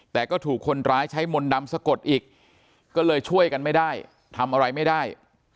แต่ก็ถูกคนร้ายใช้มนต์ดำสะกดอีกก็เลยช่วยกันไม่ได้ทำอะไรไม่ได้